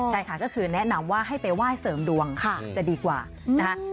ใช่ค่ะก็คือแนะนำว่าให้ไปไหว้เสริมดวงจะดีกว่านะคะ